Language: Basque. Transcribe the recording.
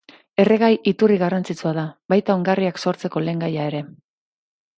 Erregai-iturri garrantzitsua da, baita ongarriak sortzeko lehengaia ere.